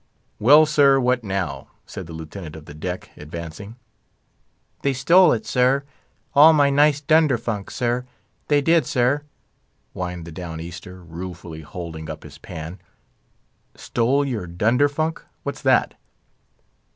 "Well, sir, what now?" said the Lieutenant of the Deck, advancing. "They stole it, sir; all my nice dunderfunk, sir; they did, sir," whined the Down Easter, ruefully holding up his pan. "Stole your dunderfunk! what's that?"